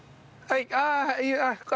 はい。